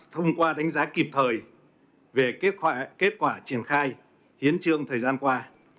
thông qua đánh giá kịp thời về kết quả triển khai hiến trương thời gian qua